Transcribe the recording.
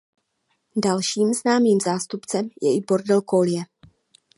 Dalším známým zástupcem je i border kolie.